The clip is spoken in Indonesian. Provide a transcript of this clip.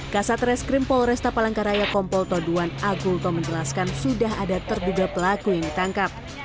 kasat reskrim polresta palangkaraya kompol toduan agulto menjelaskan sudah ada terduga pelaku yang ditangkap